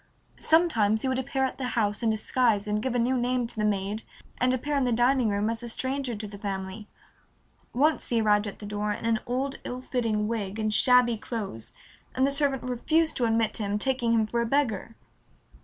Sometimes he would appear at the house in disguise and give a new name to the maid and appear in the dining room as a stranger to the family. Once he arrived at the door in an old, ill fitting wig and shabby clothes and the servant refused to admit him, taking him for a beggar.